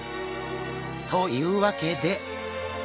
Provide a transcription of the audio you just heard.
というわけで。